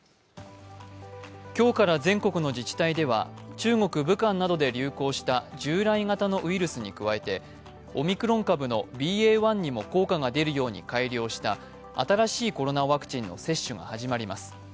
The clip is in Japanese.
今日から全国の自治体では、中国・武漢などで流行した従来型のウイルスに加えて、オミクロン株のＢＡ．１にも効果が出るように改良した新しいコロナワクチンの接種が始まります。